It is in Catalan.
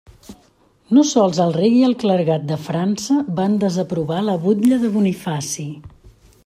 No sols el rei i el clergat de França van desaprovar la butlla de Bonifaci.